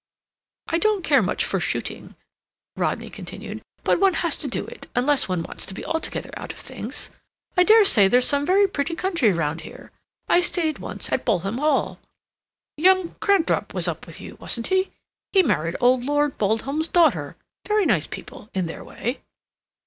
"I don't care much for shooting," Rodney continued; "but one has to do it, unless one wants to be altogether out of things. I dare say there's some very pretty country round here. I stayed once at Bolham Hall. Young Cranthorpe was up with you, wasn't he? He married old Lord Bolham's daughter. Very nice people—in their way."